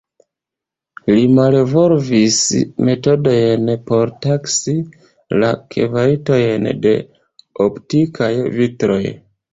Li malvolvis metodojn por taksi la kvalitojn de optikaj vitroj.